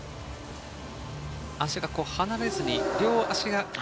足が離れずに両足が。